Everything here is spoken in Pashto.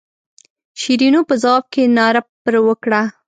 شیرینو په ځواب کې ناره پر وکړه.